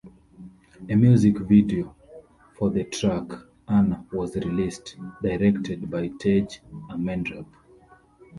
A music video for the track "Anna" was released, directed by Tage Ammendrup.